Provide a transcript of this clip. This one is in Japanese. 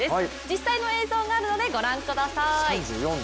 実際の映像があるのでご覧ください。